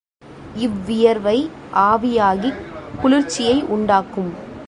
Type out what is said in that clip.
இவ்வியர்வை ஆவியாகிக் குளிர்ச்சியை உண்டாக்கும்.